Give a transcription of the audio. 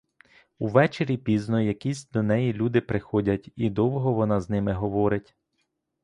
Увечері пізно якісь до неї люди приходять, і довго вона з ними говорить.